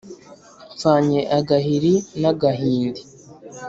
mpfanye agahiri n'agahindi